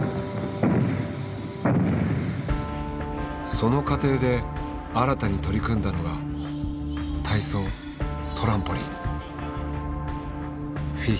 その過程で新たに取り組んだのが体操トランポリン。